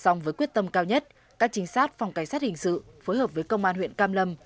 xong với quyết tâm cao nhất các chính sát phòng cảnh sát hình sự phối hợp với công an huyện cam lâm